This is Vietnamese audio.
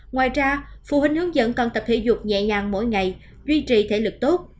ngoài ra phụ huynh hướng dẫn còn tập thể dục nhẹ nhàng mỗi ngày duy trì thể lực tốt